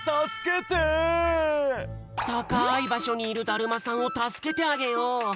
たかいばしょにいるだるまさんをたすけてあげよう。